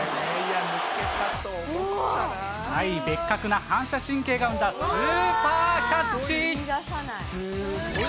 ベッカクな反射神経が生んだスーパーキャッチ。